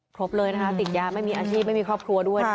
ครบเลยนะคะติดยาไม่มีอาชีพไม่มีครอบครัวด้วย